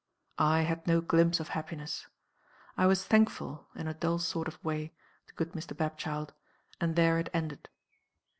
I had no glimpse of happiness. I was thankful (in a dull sort of way) to good Mr. Bapchild and there it ended.